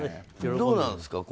どうなんですか？